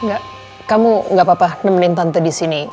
enggak kamu gak apa apa nemenin tante disini